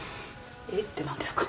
「えっ？」って何ですか。